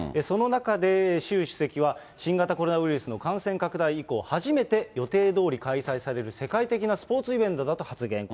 その中で、習主席は新型コロナウイルスの感染拡大以降、初めて予定どおり開催される世界的なスポーツイベントだと発言。